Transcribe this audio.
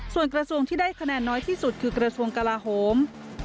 ส่วนกระทรวงที่ได้คะแนนน้อยที่สุดคือกระทรวงกลาโหม